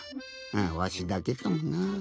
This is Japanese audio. あわしだけかもなぁ。